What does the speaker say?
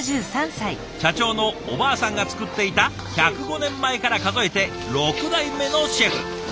社長のおばあさんが作っていた１０５年前から数えて６代目のシェフ。